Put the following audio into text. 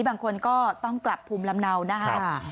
บางคนก็ต้องกลับภูมิลำเนานะครับ